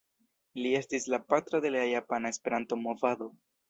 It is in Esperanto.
Li estis la patro de la Japana Esperanto-movado.